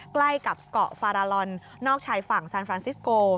ใกล้กับเกาะฟาราลอนนอกชายฝั่งซานฟรานซิสโก